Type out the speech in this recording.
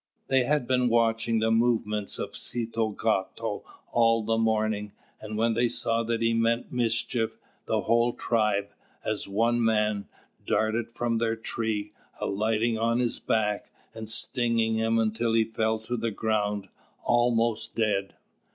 They had been watching the movements of Set cāto all the morning, and when they saw that he meant mischief, the whole tribe, as one man, darted from their tree, alighting on his back, and stinging him until he fell to the ground almost dead.